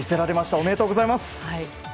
おめでとうございます。